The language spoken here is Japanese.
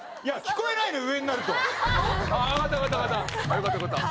よかったよかった。